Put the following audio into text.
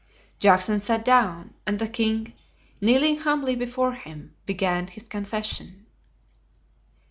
Juxon sat down, and the king, kneeling humbly before him, began his confession.